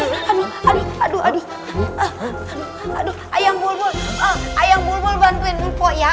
hai masjid masak diri ati hadu hadi aduh aduh ayang bulgul ayah bulgo bandwain upo ya